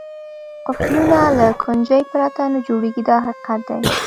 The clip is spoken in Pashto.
قلفونه له کونجۍ پرته نه جوړېږي دا حقیقت دی.